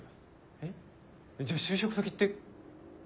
えっ？じゃあ就職先って。